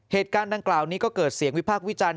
เหตุการณ์ดังกล่าวนี้ก็เกิดเสียงวิพากษ์วิจารณ